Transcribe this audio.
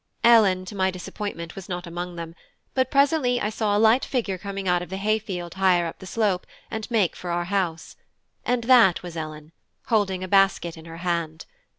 Ellen, to my disappointment, was not amongst them, but presently I saw a light figure come out of the hay field higher up the slope, and make for our house; and that was Ellen, holding a basket in her hand.